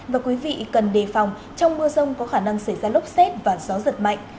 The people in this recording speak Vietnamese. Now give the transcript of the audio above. và quý vị cần đề phòng trong mưa rông có khả năng xảy ra lốc xét và gió giật mạnh